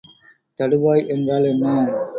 தடுவாய் என்றால் என்ன?